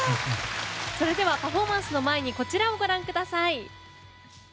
それではパフォーマンスの前にこちらをご覧ください。